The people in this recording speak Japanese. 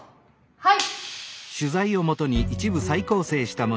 はい。